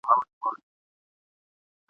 هغه کتابونه چي ما لوستلي، ډېر ګټور دي.